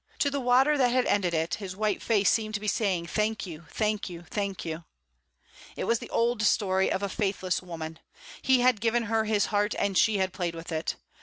To the water that had ended it his white face seemed to be saying, "Thank you, thank you, thank you." It was the old story of a faithless woman. He had given her his heart, and she had played with it.